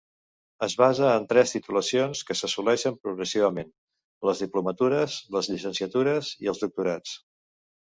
Es basa en tres titulacions que s’assoleixen progressivament: les diplomatures, les llicenciatures i els doctorats.